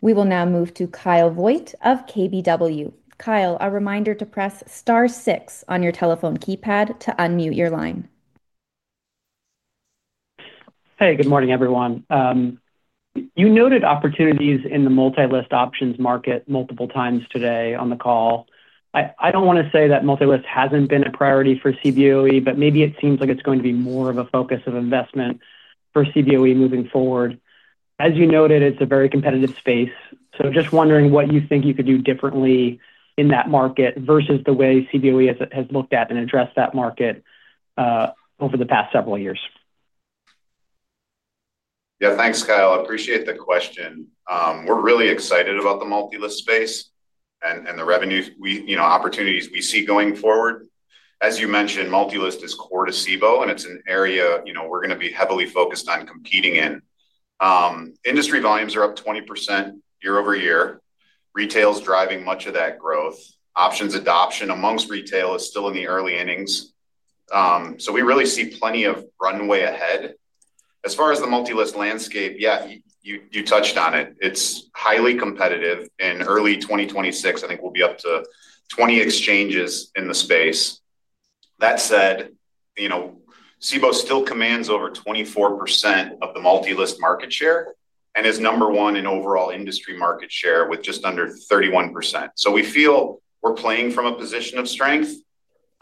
We will now move to Kyle Voigt of KBW. Kyle, a reminder to press star six on your telephone keypad to unmute your line. Hey, good morning, everyone. You noted opportunities in the multi-listed options market multiple times today on the call. I don't want to say that multi-listed hasn't been a priority for Cboe Global Markets, but maybe it seems like it's going to be more of a focus of investment for Cboe Global Markets moving forward. As you noted, it's a very competitive space. Just wondering what you think you could do differently in that market versus the way Cboe Global Markets has looked at and addressed that market over the past several years. Yeah. Thanks, Kyle. I appreciate the question. We're really excited about the multi-list space and the revenue opportunities we see going forward. As you mentioned, multi-list is core to Cboe, and it's an area we're going to be heavily focused on competing in. Industry volumes are up 20% year-over-year. Retail is driving much of that growth. Options adoption amongst retail is still in the early innings. We really see plenty of runway ahead. As far as the multi-list landscape, you touched on it. It's highly competitive. In early 2026, I think we'll be up to 20 exchanges in the space. That said, Cboe still commands over 24% of the multi-list market share and is number one in overall industry market share with just under 31%. We feel we're playing from a position of strength.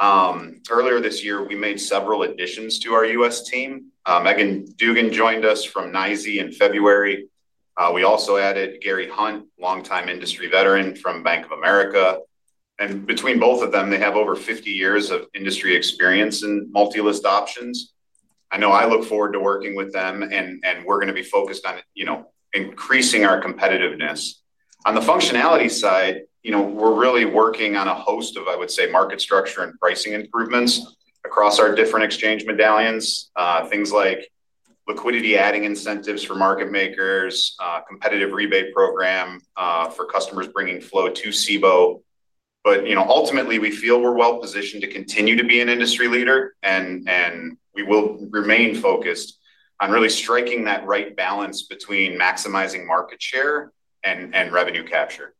Earlier this year, we made several additions to our U.S. team. Megan Dugan joined us from NYSE in February. We also added Gary Hunt, longtime industry veteran from Bank of America. Between both of them, they have over 50 years of industry experience in multi-list options. I know I look forward to working with them, and we're going to be focused on increasing our competitiveness. On the functionality side, we're really working on a host of, I would say, market structure and pricing improvements across our different exchange medallions, things like liquidity-adding incentives for market makers, a competitive rebate program for customers bringing flow to Cboe. Ultimately, we feel we're well-positioned to continue to be an industry leader, and we will remain focused on really striking that right balance between maximizing market share and revenue capture.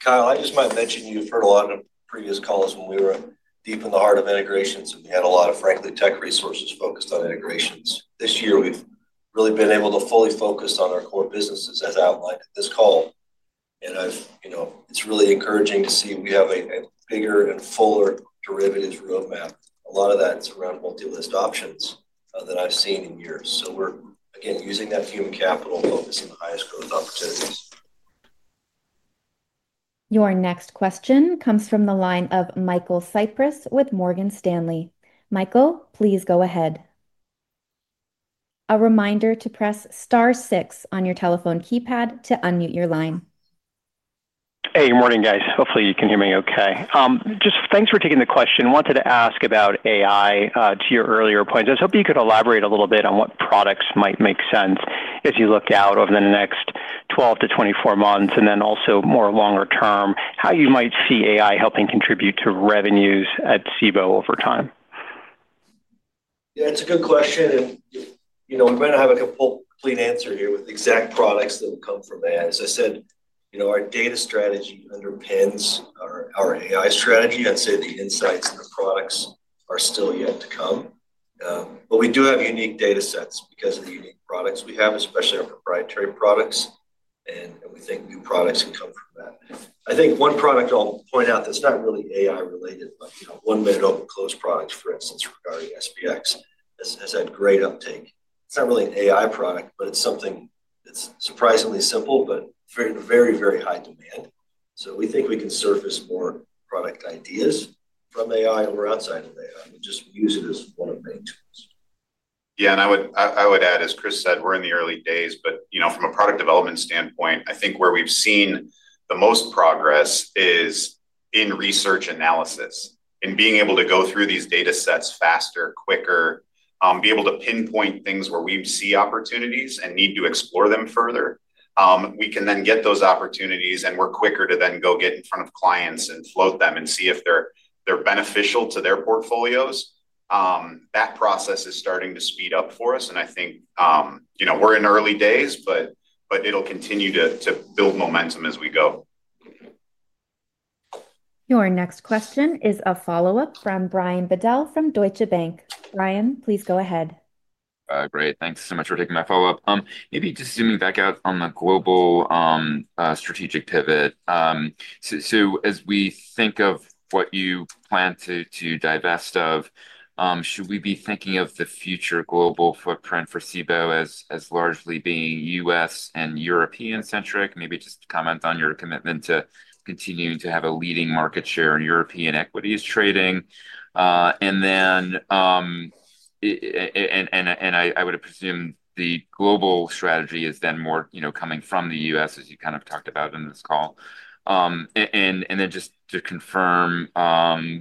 Kyle, I just might mention you've heard a lot of previous calls when we were deep in the heart of integrations, and we had a lot of, frankly, tech resources focused on integrations. This year, we've really been able to fully focus on our core businesses, as outlined at this call. It's really encouraging to see we have a bigger and fuller derivatives roadmap. A lot of that is around multi-listed options that I've seen in years. We're, again, using that human capital focus on the highest growth opportunities. Your next question comes from the line of Michael Cyprys with Morgan Stanley. Michael, please go ahead. A reminder to press star six on your telephone keypad to unmute your line. Hey, good morning, guys. Hopefully, you can hear me okay. Thanks for taking the question. Wanted to ask about AI to your earlier points. I was hoping you could elaborate a little bit on what products might make sense as you look out over the next 12-24 months, and then also more longer term, how you might see AI helping contribute to revenues at Cboe Global Markets over time. Yeah, it's a good question. We're going to have a complete answer here with exact products that will come from AI. As I said, our data strategy underpins our AI strategy. I'd say the insights and the products are still yet to come. We do have unique data sets because of the unique products we have, especially our proprietary products. We think new products can come from that. I think one product I'll point out that's not really AI-related, but one-minute open-close product, for instance, regarding SPX, has had great uptake. It's not really an AI product, but it's something that's surprisingly simple, but very, very high demand. We think we can surface more product ideas from AI or outside of AI. We just use it as one of many tools. Yeah. I would add, as Chris said, we're in the early days, but from a product development standpoint, I think where we've seen the most progress is in research analysis, in being able to go through these data sets faster, quicker, be able to pinpoint things where we see opportunities and need to explore them further. We can then get those opportunities, and we're quicker to then go get in front of clients and float them and see if they're beneficial to their portfolios. That process is starting to speed up for us. I think we're in early days, but it'll continue to build momentum as we go. Your next question is a follow-up from Brian Bedell from Deutsche Bank. Brian, please go ahead. Great. Thanks so much for taking my follow-up. Maybe just zooming back out on the global strategic pivot. As we think of what you plan to divest of, should we be thinking of the future global footprint for Cboe Global Markets as largely being U.S. and European-centric? Maybe just comment on your commitment to continuing to have a leading market share in European equities trading. I would have presumed the global strategy is then more coming from the U.S., as you kind of talked about in this call. Just to confirm,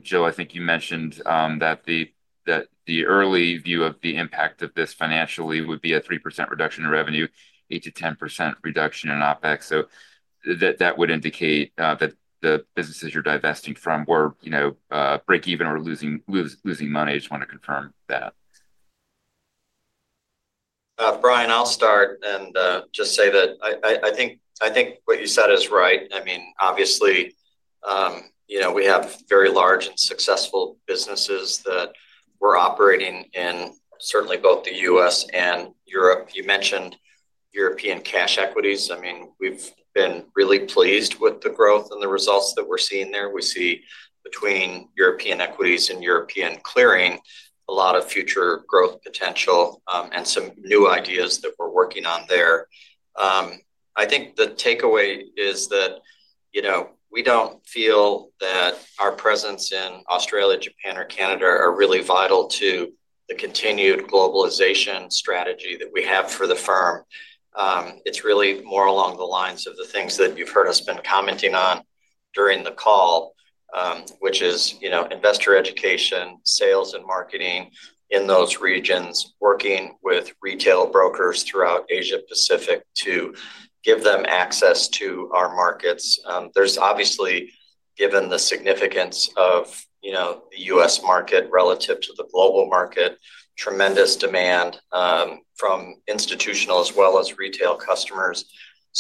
Jill, I think you mentioned that the early view of the impact of this financially would be a 3% reduction in revenue, 8%-10% reduction in OpEx. That would indicate that the businesses you're divesting from were break-even or losing money. I just want to confirm that. Brian, I'll start and just say that I think what you said is right. I mean, obviously, we have very large and successful businesses that we're operating in, certainly both the U.S. and Europe. You mentioned European cash equities. I mean, we've been really pleased with the growth and the results that we're seeing there. We see between European equities and European clearing a lot of future growth potential and some new ideas that we're working on there. I think the takeaway is that we don't feel that our presence in Australia, Japan, or Canada are really vital to the continued globalization strategy that we have for the firm. It's really more along the lines of the things that you've heard us been commenting on during the call, which is investor education, sales and marketing in those regions, working with retail brokers throughout Asia-Pacific to give them access to our markets. There's obviously, given the significance of the U.S. market relative to the global market, tremendous demand from institutional as well as retail customers.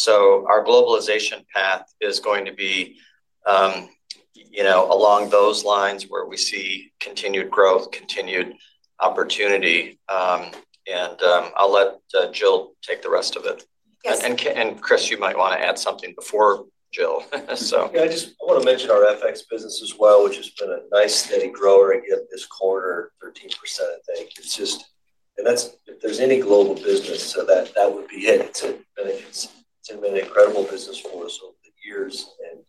Our globalization path is going to be along those lines where we see continued growth, continued opportunity. I'll let Jill take the rest of it. Chris, you might want to add something before, Jill. Yeah. I want to mention our FX business as well, which has been a nice steady grower again this quarter, 13%, I think. If there's any global business, that would be it. It's been an incredible business for us over the years and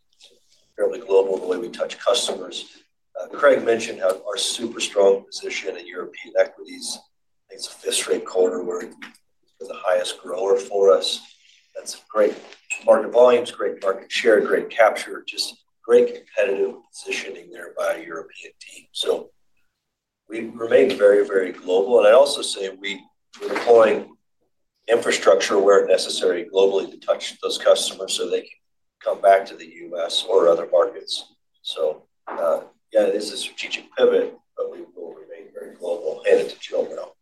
fairly global in the way we touch customers. Craig mentioned our super strong position in European equities. I think it's a fifth straight quarter where it's been the highest grower for us. That's great. Market volumes, great market share, great capture, just great competitive positioning there by a European team. We remain very, very global. I also say we're deploying infrastructure where necessary globally to touch those customers so they can come back to the U.S. or other markets. It is a strategic pivot, but we will remain very global. Hand it to Jill now.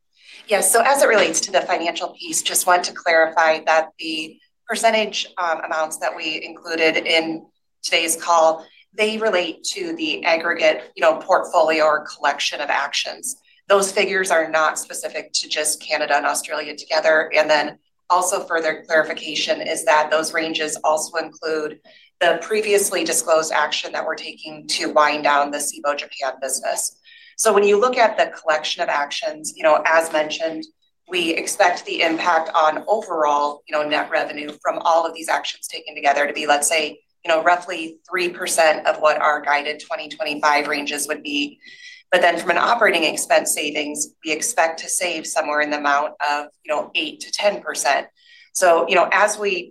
Yes. As it relates to the financial piece, just want to clarify that the percentage amounts that we included in today's call relate to the aggregate portfolio or collection of actions. Those figures are not specific to just Canada and Australia together. Further clarification is that those ranges also include the previously disclosed action that we're taking to wind down the Cboe Japan business. When you look at the collection of actions, as mentioned, we expect the impact on overall net revenue from all of these actions taken together to be, let's say, roughly 3% of what our guided 2025 ranges would be. From an operating expense savings, we expect to save somewhere in the amount of 8%-10%. As we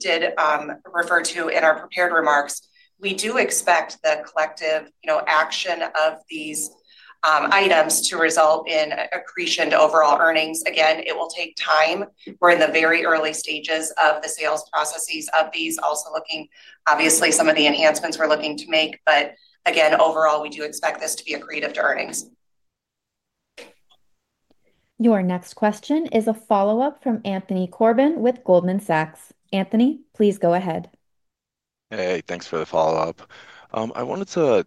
referred to in our prepared remarks, we do expect the collective action of these items to result in accretion to overall earnings. It will take time. We're in the very early stages of the sales processes of these, also looking, obviously, at some of the enhancements we're looking to make. Overall, we do expect this to be accretive to earnings. Your next question is a follow-up from Anthony Corbin with Goldman Sachs. Anthony, please go ahead. Hey, thanks for the follow-up. I wanted to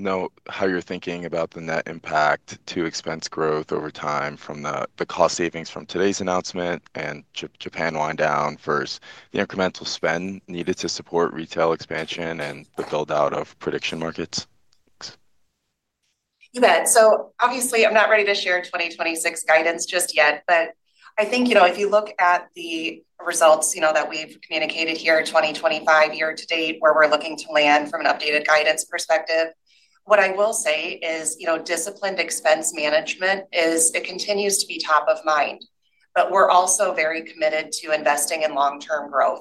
note how you're thinking about the net impact to expense growth over time from the cost savings from today's announcement and Japan wind-down versus the incremental spend needed to support retail expansion and the build-out of prediction markets. You bet. Obviously, I'm not ready to share 2026 guidance just yet, but I think if you look at the results that we've communicated here, 2025 year to date, where we're looking to land from an updated guidance perspective, what I will say is disciplined expense management continues to be top of mind, but we're also very committed to investing in long-term growth.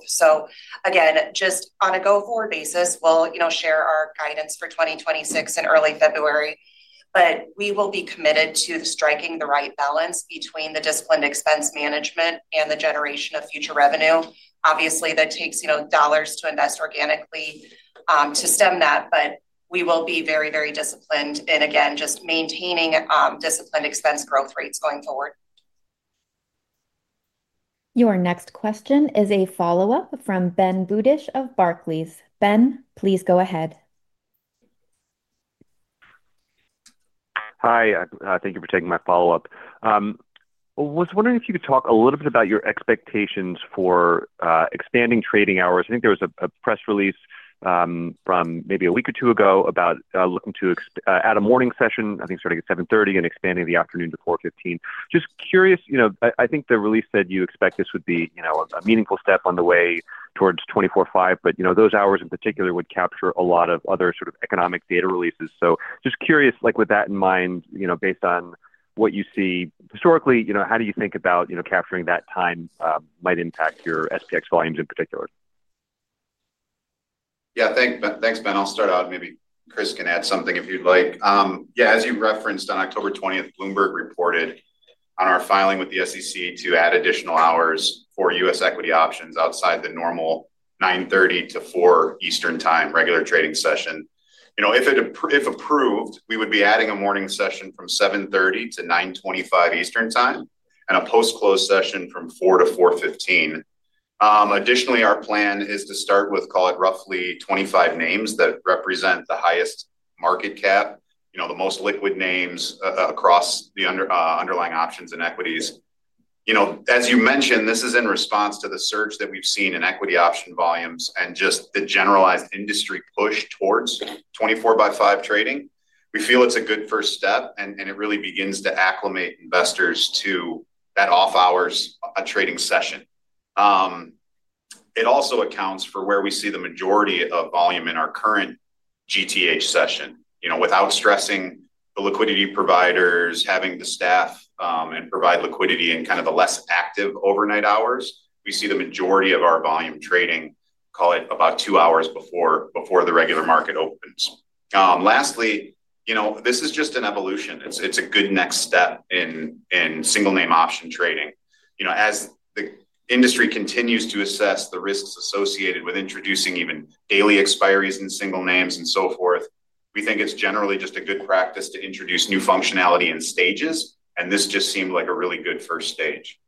Again, just on a go-forward basis, we'll share our guidance for 2026 in early February, but we will be committed to striking the right balance between disciplined expense management and the generation of future revenue. Obviously, that takes dollars to invest organically to stem that, but we will be very, very disciplined in, again, just maintaining disciplined expense growth rates going forward. Your next question is a follow-up from Ben Budish of Barclays. Ben, please go ahead. Hi. Thank you for taking my follow-up. I was wondering if you could talk a little bit about your expectations for expanding trading hours. I think there was a press release from maybe a week or two ago about looking to add a morning session, I think starting at 7:30 A.M. and expanding the afternoon to 4:15 P.M. Just curious, I think the release said you expect this would be a meaningful step on the way towards 24/5, but those hours in particular would capture a lot of other sort of economic data releases. Just curious, with that in mind, based on what you see historically, how do you think about capturing that time might impact your SPX options volumes in particular? Yeah. Thanks, Ben. I'll start out. Maybe Chris can add something if you'd like. As you referenced, on October 20th, Bloomberg reported on our filing with the SEC to add additional hours for U.S. equity options outside the normal 9:30 A.M-4:00 P.M. Eastern Time regular trading session. If approved, we would be adding a morning session from 7:30 A.M-9:25 A.M. Eastern Time and a post-close session from 4:00 P.M-4:15 P.M. Additionally, our plan is to start with, call it roughly 25 names that represent the highest market cap, the most liquid names across the underlying options and equities. As you mentioned, this is in response to the surge that we've seen in equity option volumes and just the generalized industry push towards 24 by 5 trading. We feel it's a good first step, and it really begins to acclimate investors to that off-hours trading session. It also accounts for where we see the majority of volume in our current GTH session. Without stressing the liquidity providers, having the staff provide liquidity in kind of the less active overnight hours, we see the majority of our volume trading, call it about two hours before the regular market opens. Lastly, this is just an evolution. It's a good next step in single-name option trading. As the industry continues to assess the risks associated with introducing even daily expiries in single names and so forth, we think it's generally just a good practice to introduce new functionality in stages, and this just seemed like a really good first stage.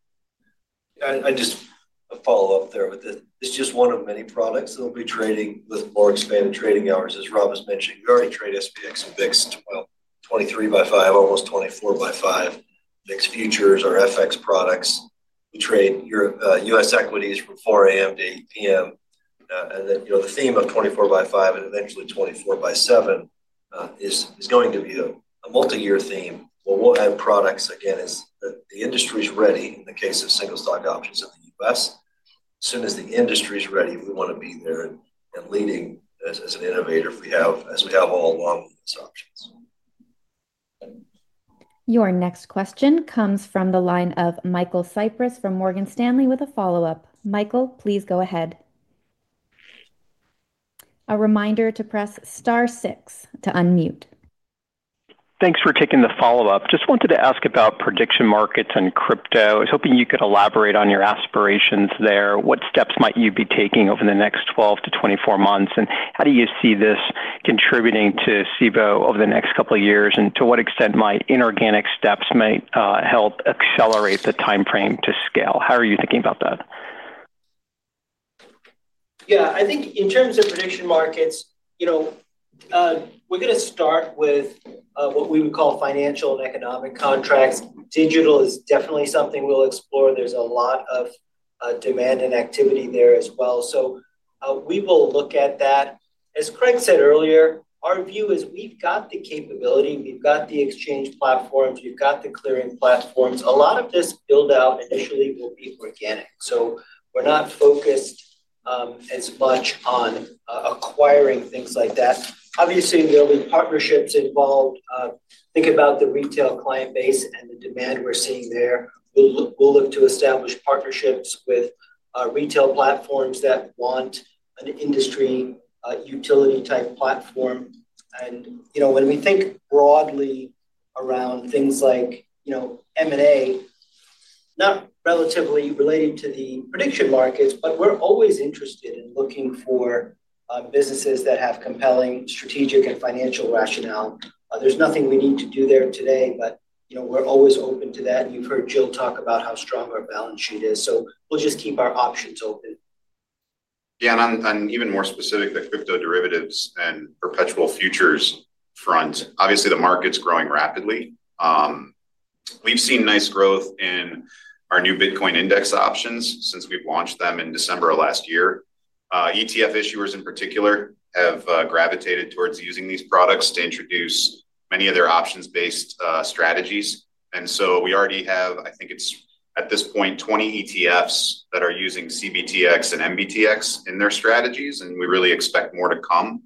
Just a follow-up there with it. It's just one of many products that will be trading with more expanded trading hours, as Rob has mentioned. We already trade SPX options and VIX options, 23 by 5, almost 24 by 5. VIX futures are FX products. We trade U.S. equities from 4:00 A.M. to 8:00 P.M. The theme of 24 by 5 and eventually 24 by 7 is going to be a multi-year theme. We'll add products, again, as the industry's ready in the case of single-stock options in the U.S. As soon as the industry's ready, we want to be there and leading as an innovator as we have all long-term options. Your next question comes from the line of Michael Cyprys from Morgan Stanley with a follow-up. Michael, please go ahead. A reminder to press star six to unmute. Thanks for taking the follow-up. Just wanted to ask about prediction markets and crypto. I was hoping you could elaborate on your aspirations there. What steps might you be taking over the next 12 to 24 months? How do you see this contributing to Cboe Global Markets over the next couple of years? To what extent might inorganic steps help accelerate the timeframe to scale? How are you thinking about that? Yeah. I think in terms of prediction markets, we're going to start with what we would call financial and economic contracts. Digital is definitely something we'll explore. There's a lot of demand and activity there as well. We will look at that. As Craig said earlier, our view is we've got the capability, we've got the exchange platforms, we've got the clearing platforms. A lot of this build-out initially will be organic, so we're not focused as much on acquiring things like that. Obviously, there'll be partnerships involved. Think about the retail client base and the demand we're seeing there. We'll look to establish partnerships with retail platforms that want an industry utility-type platform. When we think broadly around things like M&A, not relatively related to the prediction markets, we're always interested in looking for businesses that have compelling strategic and financial rationale. There's nothing we need to do there today, but we're always open to that. You've heard Jill talk about how strong our balance sheet is. We'll just keep our options open. Yeah. Even more specific, the crypto derivatives and perpetual futures front. Obviously, the market's growing rapidly. We've seen nice growth in our new Bitcoin index options since we've launched them in December of last year. ETF issuers in particular have gravitated towards using these products to introduce many of their options-based strategies. We already have, I think it's at this point, 20 ETFs that are using CBTX and MBTX in their strategies, and we really expect more to come.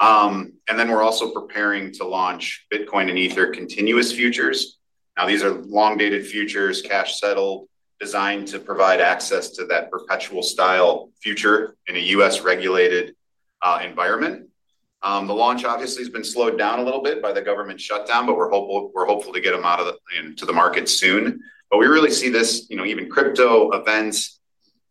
We're also preparing to launch Bitcoin and Ether continuous futures. These are long-dated futures, cash-settled, designed to provide access to that perpetual style future in a U.S.-regulated environment. The launch obviously has been slowed down a little bit by the government shutdown, but we're hopeful to get them out into the market soon. We really see this, even crypto events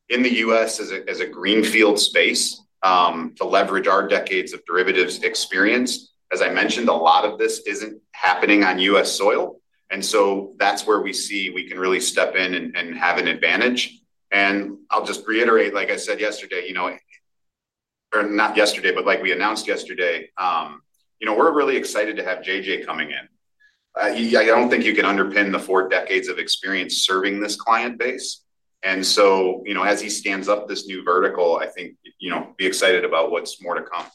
in the U.S., as a greenfield space to leverage our decades of derivatives experience. As I mentioned, a lot of this isn't happening on U.S. soil. That's where we see we can really step in and have an advantage. I'll just reiterate, like I said yesterday. Or not yesterday, but like we announced yesterday. We're really excited to have J.J. coming in. I don't think you can underpin the four decades of experience serving this client base. As he stands up this new vertical, I think be excited about what's more to come.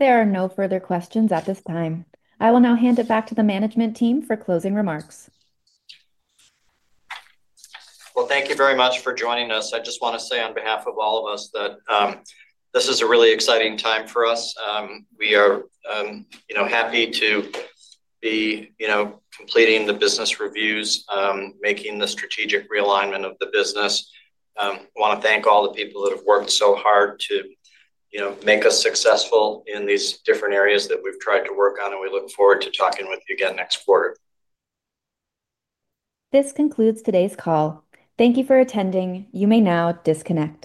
There are no further questions at this time. I will now hand it back to the management team for closing remarks. Thank you very much for joining us. I just want to say on behalf of all of us that this is a really exciting time for us. We are happy to be completing the business reviews, making the strategic realignment of the business. I want to thank all the people that have worked so hard to make us successful in these different areas that we've tried to work on, and we look forward to talking with you again next quarter. This concludes today's call. Thank you for attending. You may now disconnect.